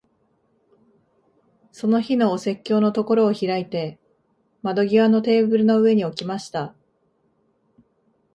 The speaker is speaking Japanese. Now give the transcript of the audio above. その日のお説教のところを開いて、窓際のテーブルの上に置きました。